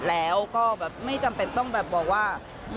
แล้วก็แบบไม่จำเป็นต้องแบบบอกว่า